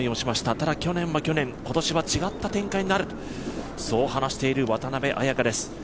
ただ去年は去年今年は違った展開になると話している渡邉彩香です。